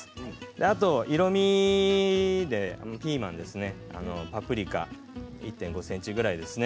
あと色みでピーマンパプリカ１．５ｃｍぐらいですね。